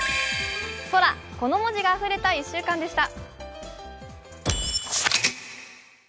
空、この文字があふれた１週間でした。